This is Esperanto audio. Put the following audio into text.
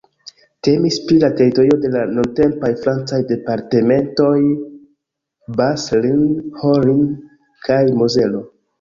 Temis pri la teritorio de la nuntempaj francaj departementoj Bas-Rhin, Haut-Rhin kaj Mozelo.